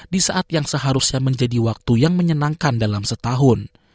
di saat yang seharusnya menjadi waktu yang menyenangkan dalam setahun